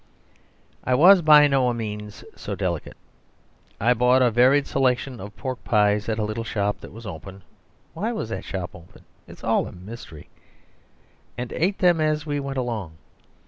I was by no means so delicate; I bought a varied selection of pork pies at a little shop that was open (why was that shop open? it is all a mystery), and ate them as we went along.